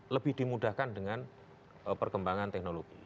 lebih dimudahkan dengan perkembangan teknologi